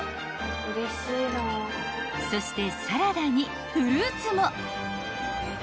［そしてサラダにフルーツも］